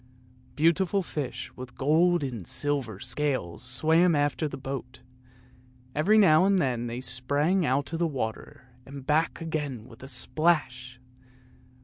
Beautiful fish with gold and silver scales swam after the boat ; every now and then they sprang out of the water and back again with a splash.